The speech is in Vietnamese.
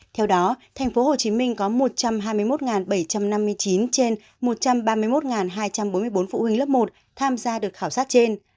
theo đó tp hcm có một trăm hai mươi một bảy trăm năm mươi chín trên một trăm ba mươi một hai trăm bốn mươi bốn phụ huynh lớp một tham gia được khảo sát trên